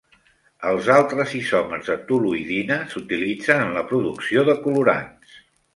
Els altres isòmers de toluïdina s'utilitzen en la producció de colorants.